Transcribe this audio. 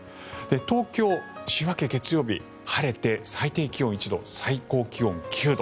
東京、週明け月曜日晴れて最低気温１度最高気温９度。